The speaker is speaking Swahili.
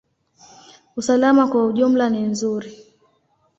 Usalama kwa ujumla ni nzuri.